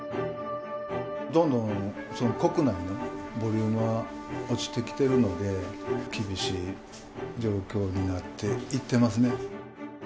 どんどん国内のボリュームが落ちてきてるので、厳しい状況になっていってますね。